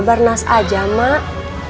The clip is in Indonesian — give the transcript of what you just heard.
barnas aja mak